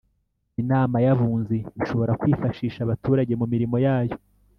inama y abunzi ishobora kwifashisha abaturage mu mirimo yayo